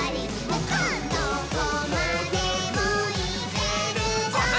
「どこまでもいけるぞ！」